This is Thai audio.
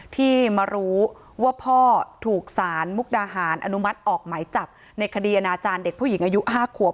ที่มารู้ว่าพ่อถูกสารมุกดาหารอนุมัติออกหมายจับในคดีอนาจารย์เด็กผู้หญิงอายุ๕ขวบ